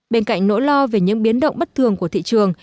bên cạnh nỗi lo về những biến động bất thường của thị trường